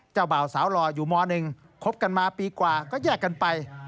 บ่าวสาวหล่ออยู่ม๑คบกันมาปีกว่าก็แยกกันไป